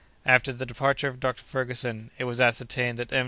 After the departure of Dr. Ferguson, it was ascertained that M.